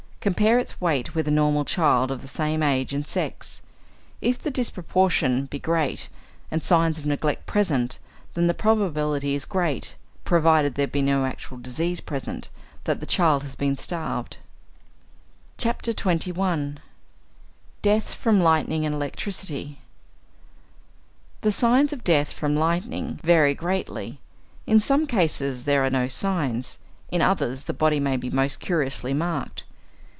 Compare its weight with a normal child of the same age and sex. If the disproportion be great and signs of neglect present, then the probability is great (provided there be no actual disease present) that the child has been starved. XXI. DEATH FROM LIGHTNING AND ELECTRICITY The signs of death from lightning vary greatly. In some cases there are no signs; in others the body may be most curiously marked.